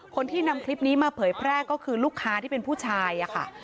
คนที่นำคลิปนี้มาเผยแพร่ก็คือลูกค้าที่เป็นผู้ชายค่ะ